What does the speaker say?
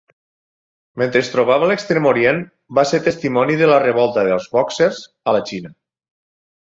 Mentre es trobava a l'Extrem Orient, va ser testimoni de la revolta dels bòxers a la Xina.